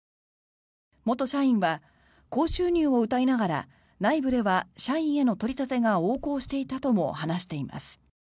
元社員は高収入をうたいながら内部では社員への取り立てが横行していたとも話しています。